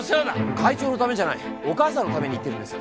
会長のためじゃないお母さんのために言ってるんです。